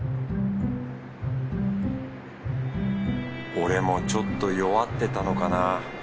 俺もちょっと弱ってたのかな。